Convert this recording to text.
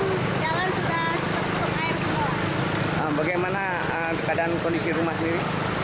udah terkena banjir sampai ada setengah meter